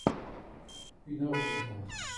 Une heure, moins le quart…